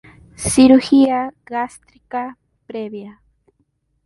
Cirugía gástrica previa.